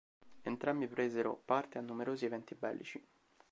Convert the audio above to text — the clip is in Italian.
Entrambi presero parte a numerosi eventi bellici.